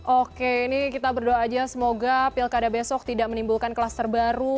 oke ini kita berdoa aja semoga pilkada besok tidak menimbulkan kluster baru